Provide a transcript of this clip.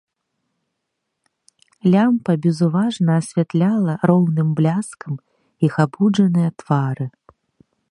Лямпа безуважна асвятляла роўным бляскам іх абуджаныя твары.